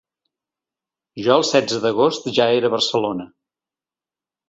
Jo el setze d'agost ja era a Barcelona.